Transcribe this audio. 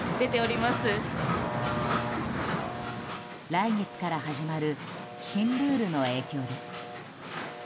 来月から始まる新ルールの影響です。